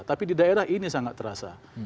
tapi di daerah ini sangat terasa